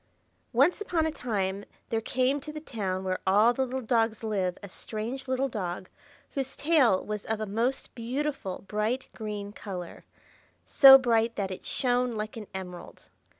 ONCE upon a time there came to the town where all the little dogs live a strange little dog, whose tail was of a most beautiful bright green color,—so bright that it shone like an emerald.